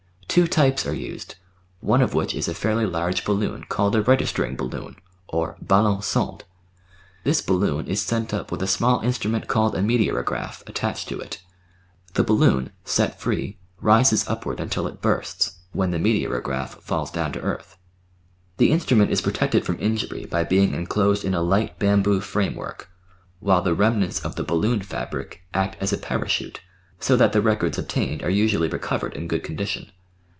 Two types are used, one of which is a fairly large balloon called a registering balloon or "ballon sonde"; this bal loon is sent up with a small instrument called a "meteorograph" attached to it. The balloon, set free, rises upward until it bursts, 766 The Outline of Science when the meteorograph falls down to earth. The instrument is protected from injury hy being enclosed in a light bamboo frame work, while the remnants of the balloon fabric act as a para chute, so that the records obtained are usually recovered in good condition.